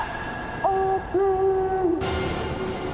オープン。